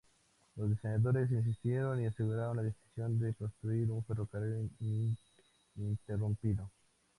Los diseñadores insistieron y aseguraron la decisión de construir un ferrocarril ininterrumpido.